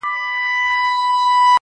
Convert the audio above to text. کيسې د پروني ماښام د جنگ در اچوم.